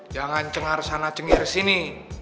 jangan cengar sana cengir sini